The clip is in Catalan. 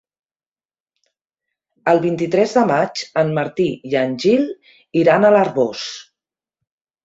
El vint-i-tres de maig en Martí i en Gil iran a l'Arboç.